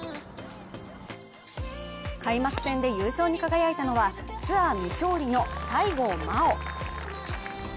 開幕戦で優勝に輝いたのはツアー未勝利の西郷真央。